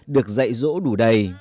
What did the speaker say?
được dạy rỗ đủ đầy